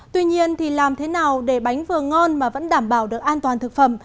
tuy nhiên thì làm thế nào để bánh vừa ngon mà vẫn đảm bảo được an toàn thực phẩm